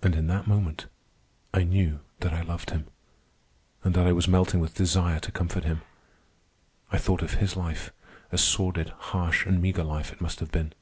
And in that moment I knew that I loved him, and that I was melting with desire to comfort him. I thought of his life. A sordid, harsh, and meagre life it must have been.